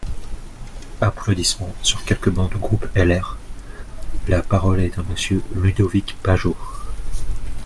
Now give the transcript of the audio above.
(Applaudissements sur quelques bancs du groupe LR.) La parole est à Monsieur Ludovic Pajot.